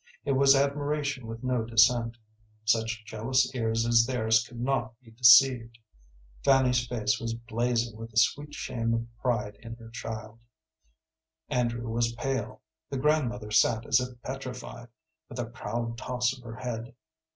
It was admiration with no dissent such jealous ears as theirs could not be deceived. Fanny's face was blazing with the sweet shame of pride in her child; Andrew was pale; the grandmother sat as if petrified, with a proud toss of her head.